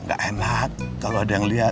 gak enak kalau ada yang lihat